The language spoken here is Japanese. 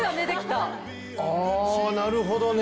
あなるほどね！